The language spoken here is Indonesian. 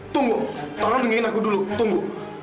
tunggu tolong dengerin aku dulu tunggu